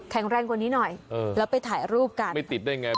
แรงกว่านี้หน่อยแล้วไปถ่ายรูปกันไม่ติดได้ไง